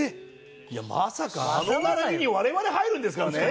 いやまさかあの並びに我々入るんですからね。